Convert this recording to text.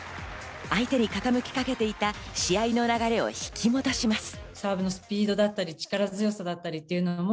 相手に傾きかけていた試合の流れを引き戻します。